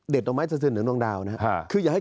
เด็ดต้มไม้จะถึงเหนืองดวงดาวนะครับ